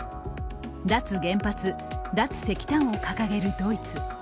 脱原発・脱石炭を掲げるドイツ。